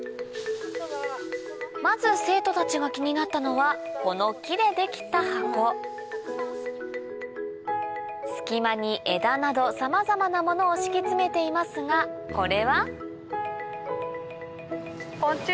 まず生徒たちが気になったのはこの木でできた箱隙間に枝などさまざまなものを敷き詰めていますがこれは？